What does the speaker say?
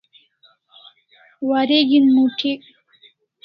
Wareg'in moth'ik